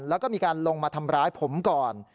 แล้วก็มีการลงมาทำร้ายผมก่อน